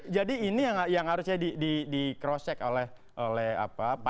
jadi ini yang harusnya di di di cross check oleh oleh apa pancus